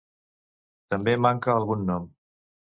També manca algun nom.